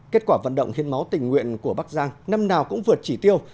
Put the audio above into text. kết quả vận động hiến máu tình nguyện của bắc giang năm nào cũng vượt chỉ tiêu